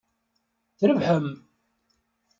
Trebḥem!